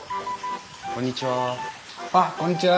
こんにちは。